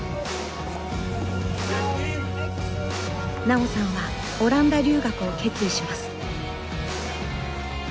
奈緒さんはオランダ留学を決意します。